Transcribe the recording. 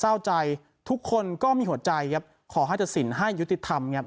เศร้าใจทุกคนก็มีหัวใจครับขอให้ตัดสินให้ยุติธรรมครับ